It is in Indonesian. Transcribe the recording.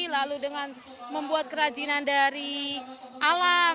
lalu dengan membuat kerajinan dari alam